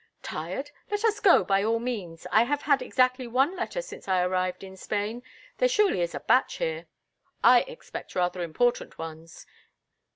"Tired? Let us go, by all means. I have had exactly one letter since I arrived in Spain. There surely is a batch here." "I expect rather important ones."